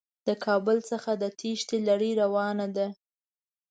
د کابل څخه د تېښتې لړۍ روانه ده.